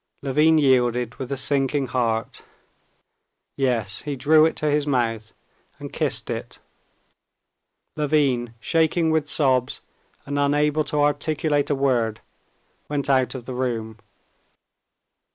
Levin yielded with a sinking heart: yes, he drew it to his mouth and kissed it. Levin, shaking with sobs and unable to articulate a word, went out of the room.